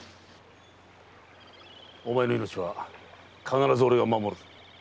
お前の命は必ず俺が守る。